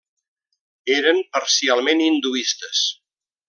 Eren parcialment hinduistes.